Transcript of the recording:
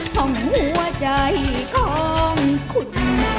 ของหัวใจของคุณ